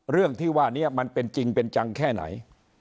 เรื่องที่ว่านี้มันเป็นจริงเป็นจังแค่ไหน